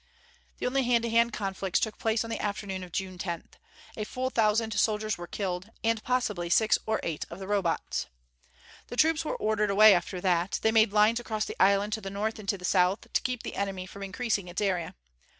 The only hand to hand conflicts took place on the afternoon of June 10th. A full thousand soldiers were killed and possibly six or eight of the Robots. The troops were ordered away after that; they made lines across the island to the north and to the south, to keep the enemy from increasing its area.